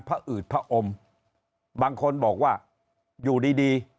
อืดพระอมบางคนบอกว่าอยู่ดีดี